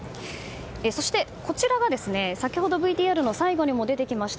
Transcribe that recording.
そして、こちらが先ほどＶＴＲの最後に出てきました